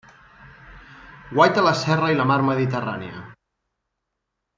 Guaita la serra i la mar Mediterrània.